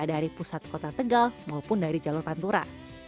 dari pusat kota tegal maupun dari jalur pantura